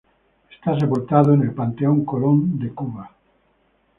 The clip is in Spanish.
Está sepultado en el Panteón Colón de Cuba.